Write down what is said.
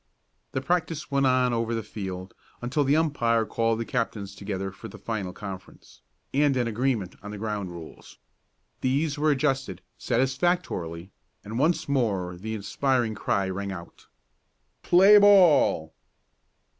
The practice went on over the field, until the umpire called the captains together for the final conference, and an agreement on the ground rules. These were adjusted satisfactorily, and once more the inspiring cry rang out: "Play ball!"